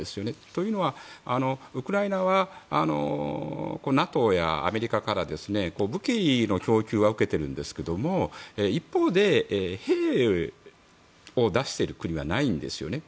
というのはウクライナはＮＡＴＯやアメリカから武器の供給は受けているんですが一方で、兵を出している国はないんですよね。